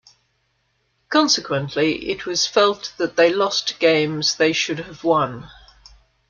Consequently, it was felt that they lost games they should have won.